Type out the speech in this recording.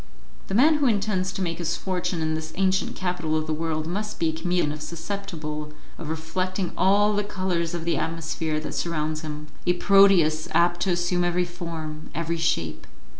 The man who intends to make his fortune in this ancient capital of the world must be a chameleon susceptible of reflecting all the colours of the atmosphere that surrounds him a Proteus apt to assume every form, every shape.